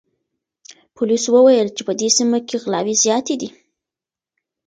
پولیسو وویل چې په دې سیمه کې غلاوې زیاتې دي.